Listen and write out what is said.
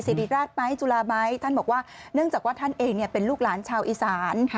สิริราชไหมจุฬาไหมท่านบอกว่าเนื่องจากว่าท่านเองเป็นลูกหลานชาวอีสาน